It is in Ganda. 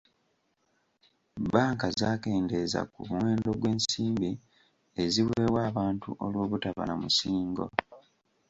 Banka zaakendeeza ku muwendo gw'ensimbi eziweebwa abantu olw'obutaba na musingo.